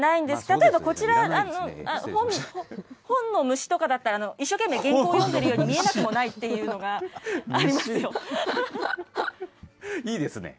例えばこちら、本のむしとかだったら、一生懸命、原稿を読んでるように見えなくもいいですね。